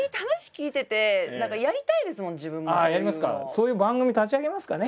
そういう番組立ち上げますかね？